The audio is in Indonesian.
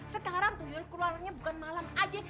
sekarang tuyul keluarannya bukan malam aja